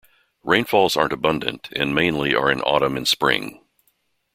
Rainfalls aren't abundant and mainly are in autumn and spring.